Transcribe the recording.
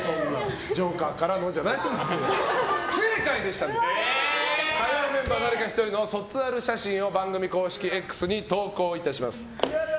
不正解でしたので火曜メンバー誰か１人の卒アル写真を番組公式Ｘに投稿いたします。